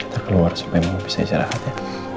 saya keluar supaya bisa istirahat ya